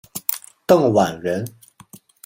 邓琬人。